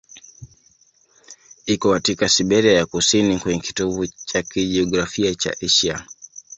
Iko katika Siberia ya kusini, kwenye kitovu cha kijiografia cha Asia.